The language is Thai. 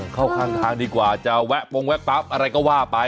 เข้าข้างทางดีกว่าจะแวะโปรงแวะปั๊บอะไรก็ว่าไป